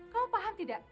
kamu paham tidak